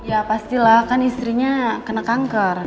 ya pastilah kan istrinya kena kanker